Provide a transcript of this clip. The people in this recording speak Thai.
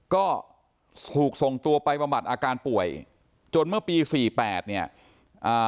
ก็ถูกส่งตัวไปบำบัดอาการป่วยจนเมื่อปีสี่แปดเนี่ยอ่า